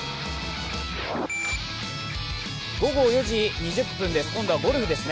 午後４時２０分、今度はゴルフです。